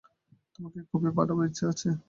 তোমাকে এক কপি পাঠাবার ইচ্ছা আছে।